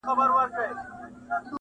څـــۀ چـې شوي هغه شوي دي بس خېر دے